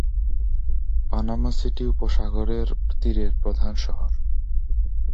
Panama City উপসাগরের তীরের প্রধান শহর।